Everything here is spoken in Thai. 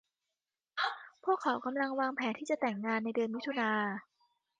พวกเขากำลังวางแผนที่จะแต่งงานในเดือนมิถุนายน